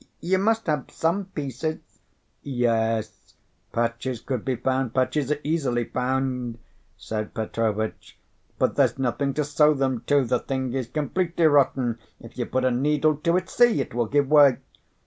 You must have some pieces " "Yes, patches could be found, patches are easily found," said Petrovitch, "but there's nothing to sew them to. The thing is completely rotten; if you put a needle to it see, it will give way."